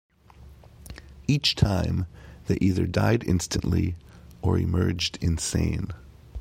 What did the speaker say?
Each time, they either died instantly or emerged insane.